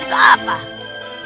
jangan kabur kamu silman musuh